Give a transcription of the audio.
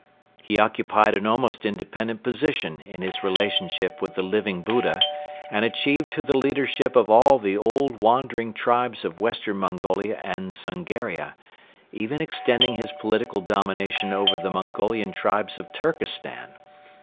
He occupied an almost independent position in his relationship with the Living Buddha and achieved to the leadership of all the old wandering tribes of Western Mongolia and Zungaria, even extending his political domination over the Mongolian tribes of Turkestan.